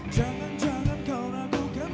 jangan jangan kau ragukan